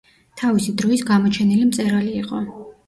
თავისი დროის გამოჩენილი მწერალი იყო.